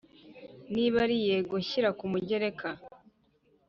Niba ari yego shyira ku mugereka